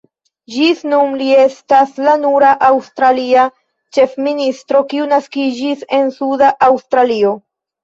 Ĝis nun, li estas la nura aŭstralia ĉefministro kiu naskiĝis en Suda Aŭstralio.